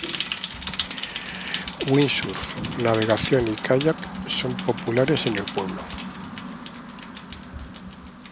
Windsurf, navegación y kayak son populares en el pueblo.